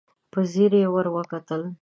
په ځير يې ورته وکتل.